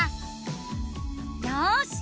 よし！